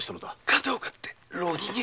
片岡って浪人に。